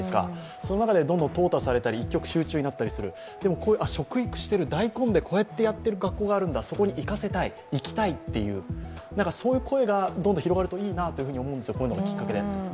その中でどんどんとう汰されたり一極集中になったりする、こういう食育している、大根でこうやってやってる学校があるんだ、そこに行かせたい行きたいっていうような声が広がるといいと思うんですよ、こういうのがきっかけで。